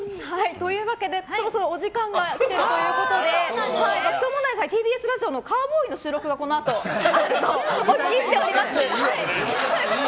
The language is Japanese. というわけで、そろそろお時間が来たということで爆笑問題さん、ＴＢＳラジオの「カーボーイ」の収録がこのあとあるとお聞きしております。